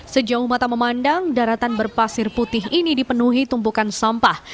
sejauh mata memandang daratan berpasir putih ini dipenuhi tumpukan sampah